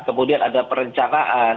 kemudian ada perencanaan